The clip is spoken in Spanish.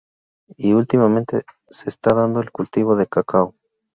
Y últimamente se está dando el cultivo de cacao.